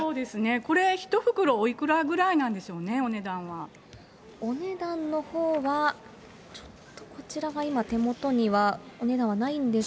これ、１袋おいくらぐらいなんでしょうね、お値段のほうは、ちょっと、こちらは今、手元にはお値段はないんですが。